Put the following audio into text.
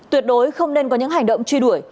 tuyệt đối không nên có những hành động truy đuổi